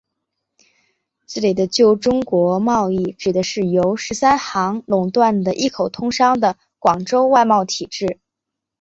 这里的旧中国贸易指的是由十三行垄断的一口通商的广州外贸体制。